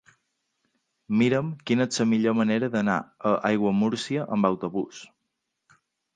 Mira'm quina és la millor manera d'anar a Aiguamúrcia amb autobús.